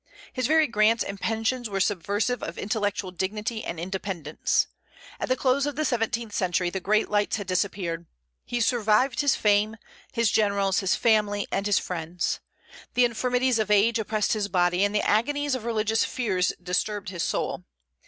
His very grants and pensions were subversive of intellectual dignity and independence. At the close of the seventeenth century the great lights had disappeared; he survived his fame, his generals, his family, and his friends; the infirmities of age oppressed his body, and the agonies of religious fears disturbed his soul.